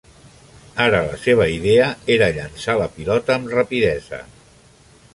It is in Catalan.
Ara la seva idea era llançar la pilota amb rapidesa.